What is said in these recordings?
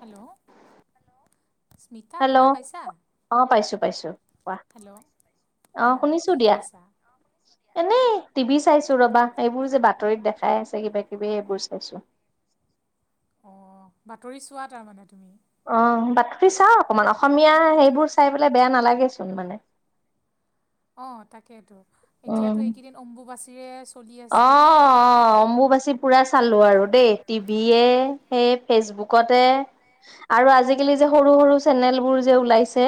Hello. Hello অ' পাইছো পাইছো কোৱা। অ শুনিছো দিয়া। এনেই টিভি চাইছো ৰবা, এইবোৰ যে বাতৰিত দেখাই আছে কিবা কিবি এইবোৰ চাইছো। অ বাতৰি চোৱা তাৰমানানে, অ বাতৰি চাওঁ অকমান, অসমীয়া সেইবোৰ চাই পেলাই বেয়া নালাগেচোন মানে। অ তাকেইেতটো। এতিয়াতো এইকেইদিন অম্বুবাচীৰে চলি আছিল, পুৰা চালো আৰু দেই টিভে, সেই ফেচবুকতে আৰু আজিকালি যে সৰু সৰু চেনেলবোৰ যে ওলাইছে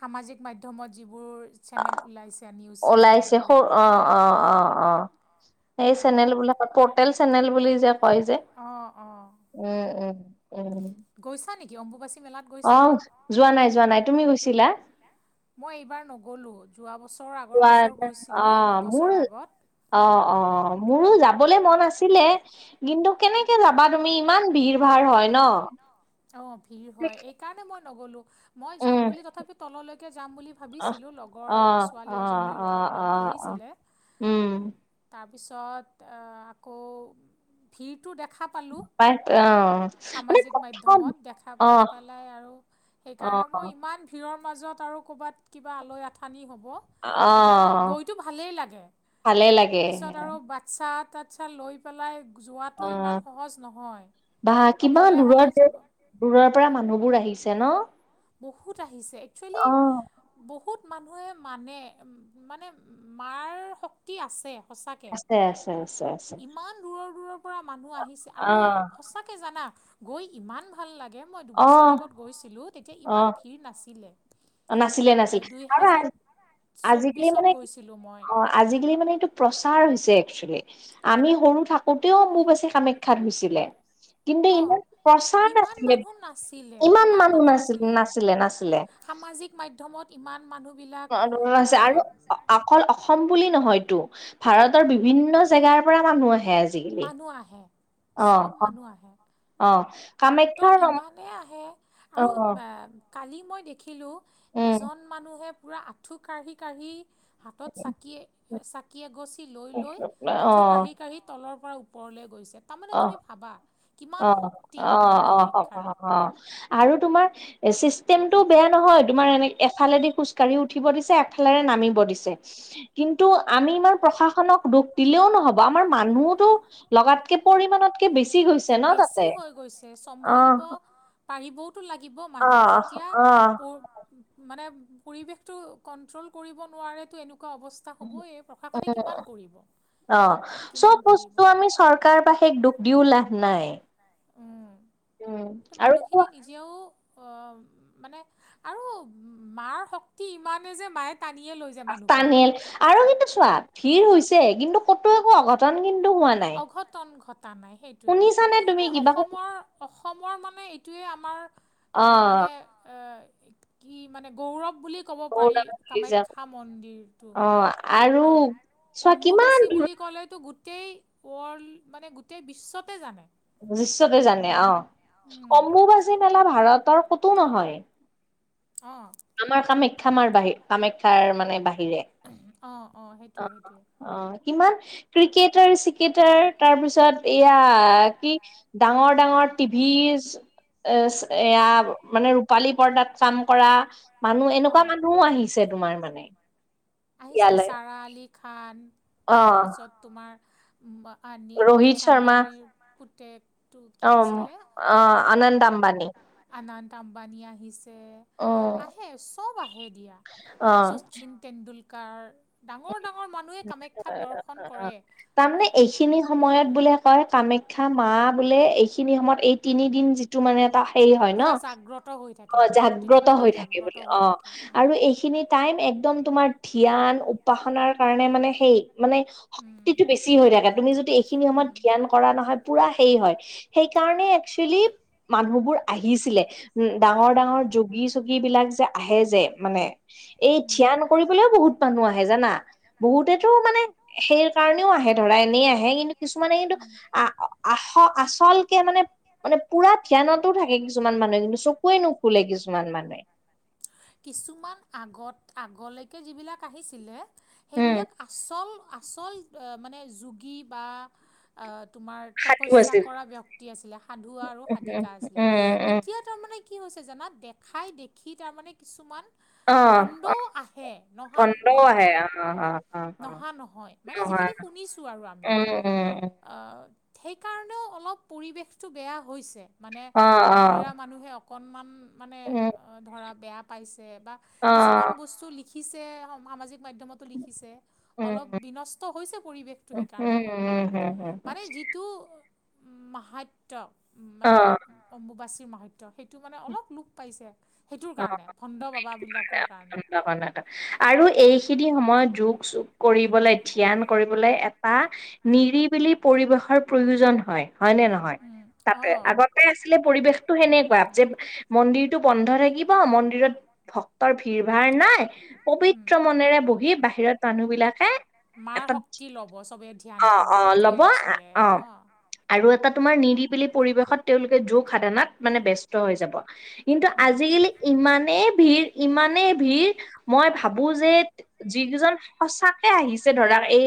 সামাজিক মাধ্যমত যিব চেনেল ওলাইছে নিউজ চেনেল সেই চেনেল বিলাকত পৰ্টেল চেনেল বুলি যে কয় যে, উম উম। উম। অ, যোৱা নাই যোৱা নাই তুমি গৈছিলা? বৰ আগৰ বছৰ গৈছিলোঁ দুবছৰৰ আগত। অ। অ। মোৰো যাবলে মন আছিলে, কিন্তু কেনেকে যাবা তুমি, ইমান ভিৰ ভাৰ হয় ন। অ ভিৰ হয়। সেইকাৰণে মই নগলো। মই যাম বুলি তথাপি তললৈকে যাম বুলি ভাবিছিলো, লগৰ ছোৱালী এজনীৰ লগত লগ ধৰিছিল উম। তাৰ পিছত আকৌ ভিট প অ মানে ধমত দেখা পাই পেলাই আৰু সেইকাৰণে মই ইমান ভিৰৰ মাজত আৰু কৰ'বাত কিবা আল আঠানি হ'ব। সেইকাৰণে। গৈতো ভালেই লাগে পিছত আৰু বাচ্ছাত তচ চা লৈ পেলাই, যোৱাটো ইমান সহজ নহয়। অকলে হ'লে যাব দূৰৰ পৰা মানুহবোৰ আহিছে ন? বহুত আহিছে, একচুৱেলি বহুত মানুহে মানে, মানে মাৰ শক্তি আছে। আছে। আছে। ইমান দূৰৰ-দূৰৰ পৰা মানুহ আহিছে। আৰু সঁচাকে জানা গৈ ইমান ভাল লাগে। মই দুবছৰ আগত গৈছিলোঁ তেতিয়া ইমান ভিৰ নাছিলে। নাছিলে-নাছিল আৰু আজিকালি মানে, অ আজিকালি মানে এইটো প্ৰচাৰ হৈছে। আমি সৰু থাকোতেও অম্বুবাচী কামাখ্যাত গৈছিলে। কিন্তু ইমান প্ৰচাৰ নাছিলে, ইমান মানুহ নাছিল- নাছিলে-নাছিলে। সামাজিক মাধ্যমত ইমান মানুহ আছে আৰু অকল অসম বুলি নহয়তো ভাৰতৰ বিভিন্ন জেগাৰ পৰা মানুহ আহে আজিকালি। চব মানুহ আহে। ভক্ত ইমানেই আহে অ। কালি মই দেখিলোঁ এজন মানুহে পূৰা আঁঠু কাঢ়ি-কাঢ়ি হাতত চাকি, চাকি এগছি লৈ-লৈ আঁঠু কাঢ়ি-কাঢ়ি তলৰ পৰা ওপৰলৈ গৈছে অ অ অ অ অ অ আৰু তোমাৰ এ চিষ্টেমটো বেয়া নহয়। তোমাৰ এনে এফালেদি খোজ কাঢ়ি উঠিব দিছে, এফালেৰে নামিব দিছে। কিন্তু আমি ইমান প্ৰশাসনক দুখ দিলেও নহব। আমাৰ মানুহোতো লগাত পৰিমানতকে বেছি গৈছে ন তাতে? অ। পাৰিবওতো লাগিব মানুহ, যেতিয়া প মানে পৰিৱেশতটো কন্ট্ৰল কৰিব নোৱাৰে টো এনেকুৱা অৱস্থা হ'বয়ে। প্ৰশাসনে কিমান অ' চব বস্তু আমি চৰকা বা দুখ দিও লাভ নাই। মানুহখিনি নিজেও অ' মানে আৰু মাৰ শক্তি ইমানেই যে মায়ে আস্তানেল আৰু কিন্তু চোৱা ভিৰ হৈছে কিন্তু কতো একো অঘটন কিন্তু অঘটন ঘটা নাই সেইটোয়ে সেইটোয়ে সেই অসমৰ অসমৰ মানে কি আমাৰ মানে কি মানে গৌৰৱ বুলি ক'ব পাৰি কামাখ্যা মন্দিৰটো আৰু অম্বুবাচী বুলি ক'লেতো গোটেই ৱৰ্ল্ড মানে গোটেই বিশ্বতে জানে। বিশ্বতে জানে, অ। অম্বুবাজী মেলা ভাৰতৰ কতো নহয়। আমাৰ কামাখ্যামাৰ বাহি কামাখ্যাৰ মানে বাহিৰে, অ সেইটোয়ে সেইটোৱে। অ। কিমান ক্ৰিকেটাৰ-চিকেটাৰ তাৰপিছত এয়া কি ডাঙৰ ডাঙৰ টিভি ম পালী পৰ্দাত কাম কৰা মানুহ এনেকুৱা মানুহও আহিছে তোমাৰ মানে। আহিছে। ছাৰ খাত তাৰপিছত তোমাৰ অনিল মুকেশে আম্বানী পুতেক ত' কি আছিলে অ' আনন্দ আম্বানী আহিছে। আহে চব আহে দিয়া শচীন টেণ্ডুলকাৰ তাৰমানে এইখিনি সময়ত বোলে হয় কামাখ্যা মা বোলে এইখিনি সময়ত এই তিনিদিন যিটো মানে এটা হেৰি হয় ন অ জাগ্ৰত হৈ থাকে বোলে অ' আৰু এইখিনি টাইম একদম তোমাৰ ধ্যান উপাসনাৰ কাৰণে মানে সেই মানে শক্তিটো বেছি হৈ থাকে তুমি যদি এইখিনি সময়ত ধ্যান কৰা নহয় পুৰা সেই হয় সেই কাৰনে একচুৱেলি মানুহবোৰ আহিছিলে উ ডাঙৰ ডাঙৰ জোগী চোগী বিলাক যে আহে যে মানে এই ঠিয়া নকৰিবলৈও বহুত মানুহ আহে জানা বহুতেতো মানে সেই কাৰণেও আহে ধৰা এনেই আহে কিন্তু কিছুমানে কিন্তু আস আচলকে মানে মানে পুৰা ধ্যানতো থাকে কিছুমান মানুহে কিন্তু চকুৱে নোখো লেদিছ কিছুমান মানে কিছুমান আগত আগলৈকে যিবিলাক আহিছিলে সেইবিলাক আচল আচল মানে যোগী বা তোমাৰ তপস্যা কৰা ব্যক্তি আছিলে সাধুৱা আৰু সাধিকা আছিলে এতিয়া তাৰমানে কি হৈছে জানা দেখাই দেখি তাৰমানে কিছুমান খণ্ডও আহে নহা নহয় নহা নহয় মানে যিখিনি উম উম। আ সেইকাৰণেও অলপ পৰিৱেশটো বেয়া হৈছে মানে বাহিৰা মানুহে অকণ মানে ধৰা বেয়া পাইছে বা কিছুমান দেখিছে সামাজিক মাধ্যমতো লিখিছে অলপ বিনষ্ট হৈছে পৰিৱেশটো সেইকাৰণেও। মানে যিটো মাহত্ব উ মানে অম্বুবাচীৰ মাহত্ব সেইটো মানে অলপ লোপ পাইছে সেইটোৰ কাৰণে ভণ্ড বাবা বিলাক আৰু এ সময়ত যোগ চোগ কৰিবলৈ ধ্যান কৰিবলৈ এটা নিৰিবিলি পৰিবেশ প্ৰয়োজন হয় হয় নে নহয়। তাতে আগতে আছিলে পৰিৱেশতটো সেনেকুৱা যে মন্দিৰতটো বন্ধ থাকিব। মন্দিৰত ভক্তৰ ভিৰ ভাৰ নাই পবিত্ৰ মনেৰে বহি বাহিৰত মানুহ বিলাক তাকে। মাৰ শক্তি ল'ব চবে ধ্যান কৰি সেইটোৱে আছিলে অ'। তোমাৰ নিদিবিলি পৰিৱেশত তেওঁলোকে যোগ সাধনাত মানে ব্যস্ত হৈ যাব কিন্তু আজিকালি ইমানে ভিৰ ইমানেই ভিৰ মই ভাবো যে যিকেইজন সঁচাকে আহিছে পিছে ধৰা এই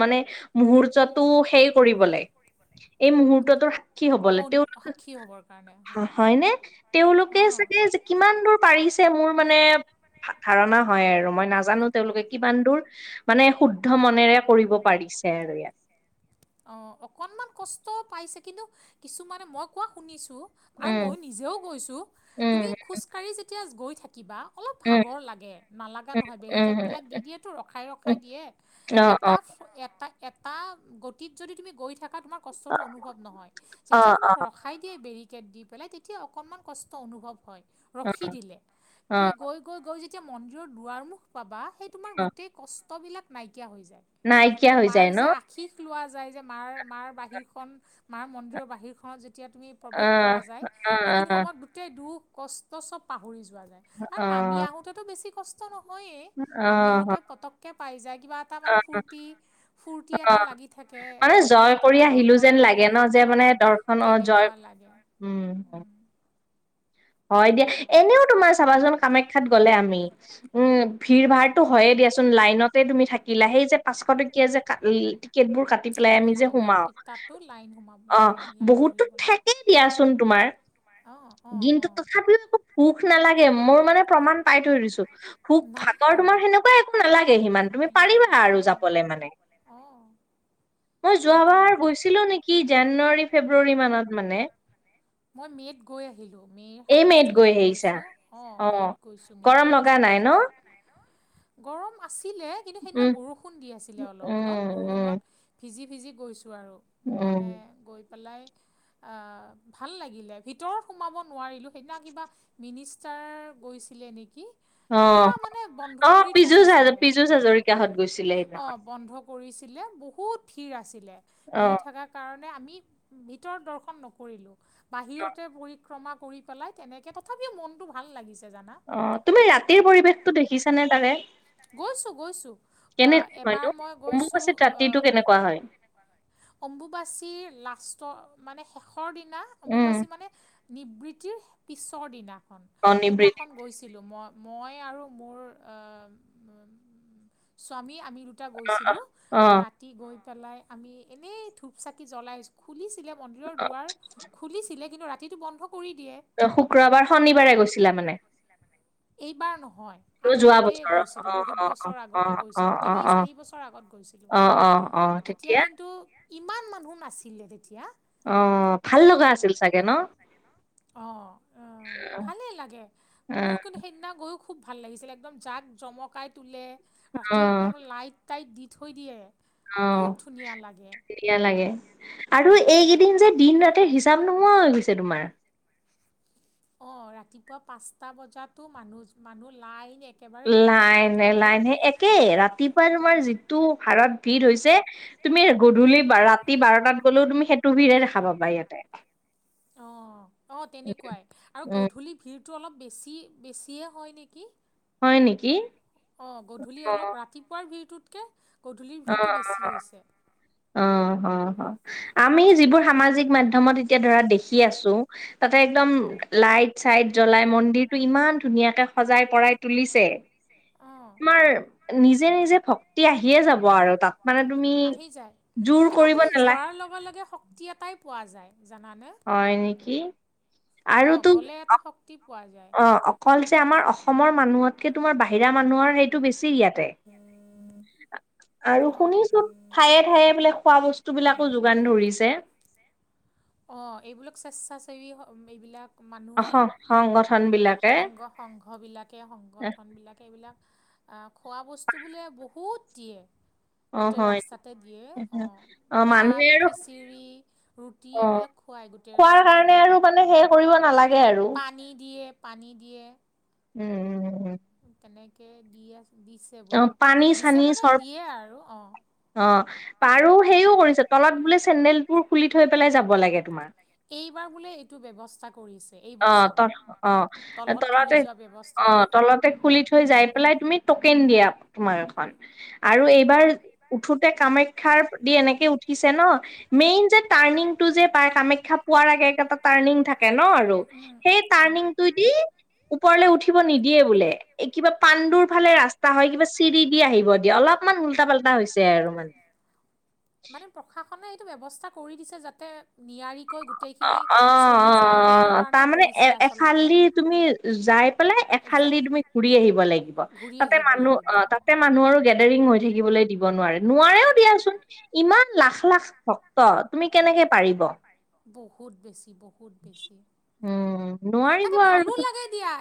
মানে মুহূৰ্তটো সেই কৰিবলে এই মুহূৰ্তৰ কি হবলৈ তেওঁলোকে হ-হয়নে তেওঁলোকে চাগে কিমান দূৰ পাৰিছে মোৰ মানে ধাৰণা হয় আৰু মই নাজানো তেওঁলোকে কিমান দূৰ মানে শুদ্ধ মনেৰে কৰিব পাৰি। [unintelligible] অ অকনমান কষ্ট পাইছে কিন্তু কিছুমানে মই কোৱা শুনিছোঁ আৰু মই নিজেও কৈছোঁ তুমি খোজকাঢ়ি যেতিয়া গৈ থাকিবা অলপ ভাগৰ লাগে নালাগা নহয় বেৰিকেডবিলাক দি দিয়েতো ৰখাই ৰখাই দিয়ে এটা। এটা এটা গতিত যদি তুমি গৈ থাকা তোমাৰ কষ্টটো অনুভৱ নহয় যেতিয়া তোমাক ৰখাই দিয়ে বেৰিকেড দি পেলাই তেতিয়া অকনমান কষ্ট অনুভৱ হয় ৰখি দিলে তুমি গৈ গৈ গৈ যেতিয়া মন্দিৰৰ দুৱাৰ মুখ পাবা সেই তোমাৰ গোটেই কষ্ট বিলাক নাই হৈ যায় সেই মাৰ যে আশীষ লোৱা যায় যে মাৰ মাৰ বাহিৰখন মাৰ মন্দিৰৰ বাহিৰখনত যেতিয়া যেতিয়া তুমি প্ৰৱেশ কৰা যায়, সেইখিনি সময়ত গোটেই দুখ কষ্ট চব পাহৰি যোৱা নামি আহোতেটো বেছি কষ্ট নহয়ে, নামি আহোতে পতককে পাই যায়। কিবা এটা মানে ফূৰ্তি ফূৰ্তি এটা লাগি থাকে যে কিবা দৰ্শন কৰি আহিল অ' তেনেকুৱা লাগে। উম। হয় দিয়া এনেও তোমাৰ চাবাছোন কামাখ্যাত গ'লে আমি উম ভিৰ ভাৰটো হয়ে দিয়া লাইনতে তুমি থাকিলা সেই যে পাঁচশ টকীয়া যে টিকেট বোৰ কাটি পেলাই আমি যে সোমাও অ' বহুতো থঠাকেই দিয়াচোন তোমাৰ দিনটো তথাপিও একো ভুখ নালাগে মোৰ মানে প্ৰমাণ পাই থৈ দিছো, সুখ ভাগৰ তোমাৰ সেনেকুৱাই একো নালাগে সিমান তুমি পাৰিবা আৰু যাবলে মানে। মই যোৱাবাৰ গৈছিলোঁ নেকি জানুৱাৰী ফেব্ৰুৱাৰী মানত মানে। মই মে'ত গৈ আহিলো মে সাতাইশ তাৰিখে গৈছোঁ অ' মে'ত গৈছোঁ মে' সাতাইশ তাৰিখে। গৰম আছে ছিলে কিন্তু সেইদিনা বৰষুণ দি আছিল অলপ অলপ বৰষুণত ভিজি ভিজি গৈছোঁ আৰু মানে গৈ পেলাই আহ ভাল লাগিলে ভিতৰত সোমাব নোৱাৰিলো সেইদিনা কিবা মিনিষ্টাৰ গৈ ছিলে নেকি, কিবা মানে বন্ধ কৰি থৈ দিছিলে। পিযুষ হাজৰিকাহত গৈছিলে সেইদিনাখন। কৰিছিলে বহুত ভিৰ আছিলে, ভিৰ থকা কাৰণে আমি ভিতৰত দৰ্শন নকৰিলো, বাহিৰতে পৰি ক্ৰমা কৰি পেলাই তেনেকে তথাপিও মনটো ভাল লাগিছে। অ' তুমি ৰাতিৰ পৰিৱেশতটো দেখিছানে তাৰে? গৈছো গৈছো অ' এবাৰ মই গৈছো অ' অম্বুবাচীৰ লাষ্ট ত' মানে শেষৰ দিনা অম্বুবাচী মানে নিবৃত্তিৰ পিছৰ দিনা। সেইদিনাখন গৈছিলো মই-মই আৰু মোৰ আহ উ, স্বামী আমি দুটা গৈছিলো, ৰাতি গৈ পেলাই আমি এনেই ধূপ চাকি জ্বলাই খুলিছিলে মন্দিৰৰ দুৱাৰ খুলিছিলে কিন্তু ৰা তিটো বন্ধ শুক্ৰবাৰ শনিবাৰে গৈছিলা মানে? এইবাৰ নহয় আগতে গৈছো। সেইটো বহুত বছৰ আগতে গৈছিলো, তিনি চাৰি বছৰ আগত গৈছিলো। তেতিয়া কিন্তু ইমান মানুহ নাছিলে তেতিয়া। অ ভাল লগা আছিল চাগে, ন? অ অ ভালেই লাগে। মোৰ কিন্তু সেইদিনা গৈ খুব ভাল লাগিছিলে। একদম জাক জমকাই তোলে ৰাতি একদম লাইট টাইট দি থৈ দিয়ে। অ ধুনীয়া লাগে। আৰু এইকেইদিন যে দিন ৰাতিৰ হিচাপ নোহোৱা গৈ হৈছে তোমাৰ। অ' ৰাতিপুৱা পাঁচটা বজাতো মানুজ মানুহ লাইন এক লাইনে লাইনে একে ৰাতিপুৱা তোমাৰ যিটো হাৰত ভিৰ হৈছে তুমি গধূলি ৰাতি বাৰটাত গ'লেও তুমি সেইটো ভিৰে দেখা পাবা ইয়াতে। অ অ তেনেকুৱাই আৰু গধূলি ভিৰ তটো অলপ বেছি বেছিয়ে হয় নেকি? অ গধূলি অলপ ৰাতিপুৱাৰ ভিৰটোতকে অ অ অ হা আমি যিবোৰ সামাজিক মাধ্যমত এতিয়া ধৰা দেখি আছো, তাতে একদম লাইট-চাইট জ্বলাই মন্দিৰ টো ইমান ধুনীয়াকে সজাই পৰাই তুলিছে। তোমাৰ নিজে - নিজে ভক্তি আহিয়ে যাব। আহি যায়। কিবা তুমি যোৱাৰ লগে-লগে শক্তি এটাই পোৱা যায়। হয় নেকি? অ গ'লে এটা শক্তি অ অকল যে আমাৰ অসমৰ মানুহতকে, তোমাৰ বাহিৰা মানুহৰ সেইটো বেছি ইয়াত। তে আৰু শুনিছো ঠায়ে ঠায়ে বোলে খোৱা বস্তু বিলাকো যোগান ধৰিছে। অ এইবিলাক স্বেচ্ছাসেৱী এইবিলাক মানুহে সংঘ সংঘবিলাকে সংগঠনবিলাকে এইবিলাক খোৱা বস্তু বোলে, বহুত দিয়ে। গোটেই ৰাস্তাতে দিয়ে। অ। ভাত, খিচিৰি, ৰুটি অ। খোৱাৰ কাৰণে আৰু মানে সেয় কৰিব নালাগে আৰু। দিয়ে পানী দিয়ে। উম উম উম উম তেনেকে দি দিছে বোলে, দিছে মানে দিয়ে আৰু অ। আৰু সেও কৰিছে, তলত বোলে চেন্দেল বোৰ খুলি থৈ পেলাই যাব এইবাৰ বোলে এইটো ব্যৱস্থা কৰিছে। অ ত অ তলতে অ তলতে খুলি থৈ যাই পেলাই তুমি ন দিয়া তোমাৰ এখন আৰু এইবাৰ উঠোতে কামাখ্যাৰ দি এনেকে উঠিছে ন। মেইন যে টাৰ্ণিং টো যে পায়। কামাখ্যা পোৱাৰ আগে এটা টাৰণিং থাকে ন আৰু সেই টাৰ্ণিংটো দি ওপৰলৈ উঠি নিদিয়ে বোলে। কিবা পাণ্ডুৰ ফালে ৰাস্তা হয় কিবা চিৰি কি আহিব দিয়ে। অলপমান উল্টা-পাল্টা হৈছে আৰু মানে টো ব্যৱস্থা কৰি দিছে যাতে নিয়াৰিকৈ গ অ অ অ তাৰমানে এ এফাল দি তুমি যাই পেলাই, এফাল এফাল দি তুমি ঘূৰি আহিব লাগিব। তাতে মানুহ অ তাতে মানুহ আৰু গেডাৰিং হৈ থাকিবলৈ দিব নাৰে। নোৱাৰেও দিয়াচোন। ইমান লাখ-লাখ ভক্ত তুমি কেনেকে পাৰিব। বহুত বেছি বহুত উম নোৱাৰিব আৰু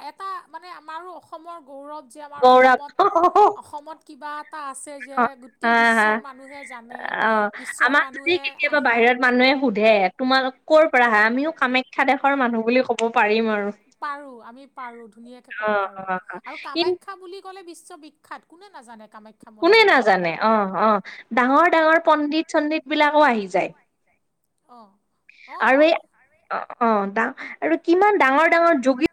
এটা মানে আমাৰো অসমৰ গৌৰৱ যে আমাৰ অসমত, অসমত কিবা এটা আছে যে, গোটেই বিশ্বৰ মানুহে অ' আমাক যদি কেতিয়াবা বাহিৰত মানুহে সোধে তোমালোক কৰ' পৰা আহে আমিও কামাখ্যা দেশৰ মানুহ বুলি ক'ব পাৰিম আৰু। পাৰো আমি পাৰো ধুনীয়াকে ক'ব পাৰো আৰু কামে খা বুলি ক'লে বিশ্ববিখ্যাত, কোনে নাজানে? কোনে নাজানে অ', অ', ডাঙৰ ডাঙৰ পণ্ডিত চণ্ডিত বিলাকো আহি যায়। আৰু এই অ' অ' দা আৰু কিমান ডাঙৰ ডাঙৰ যোগী